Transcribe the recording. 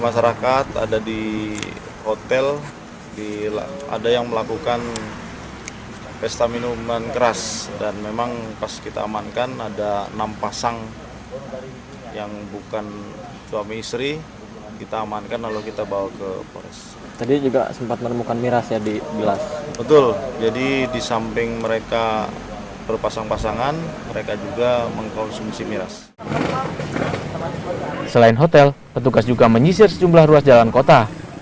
selain hotel petugas juga menyisir sejumlah ruas jalan kota